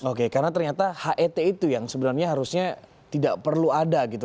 oke karena ternyata het itu yang sebenarnya harusnya tidak perlu ada gitu